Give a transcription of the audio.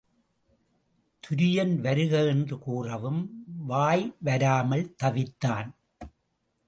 துரியன் வருக என்று கூறவும் வாய்வராமல் தவித்தான்.